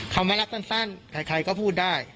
เขาไม่รักสั้นใครก็พูดได้